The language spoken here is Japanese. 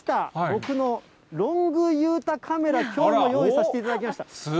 僕のロング裕太カメラ、きょうも用意させていただきました。